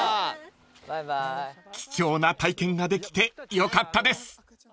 ［貴重な体験ができてよかったです］